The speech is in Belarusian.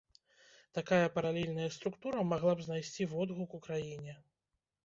Такая паралельная структура магла б знайсці водгук у краіне.